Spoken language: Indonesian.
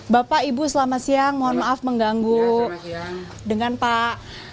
bapak ibu selamat siang mohon maaf mengganggu dengan pak